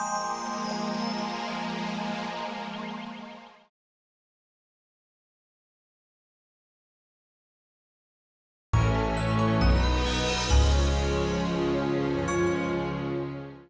di dunia banyak poros